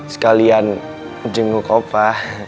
sekalian jenguk opa